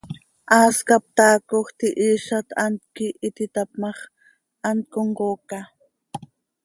Haas cap taacoj, tihiizat, hant quih iti tap ma x, hant comcooca.